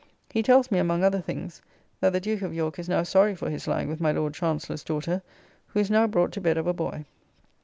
He tells me, among other things, that the Duke of York is now sorry for his lying with my Lord Chancellor's daughter, who is now brought to bed of a boy.